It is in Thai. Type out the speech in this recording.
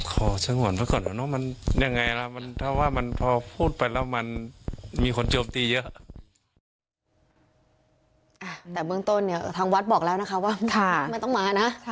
ขอจะห่วงไปก่อนนะมันยังไงล่ะถ้าว่าพูดไปแล้วมันมีคนโจมตีเยอะ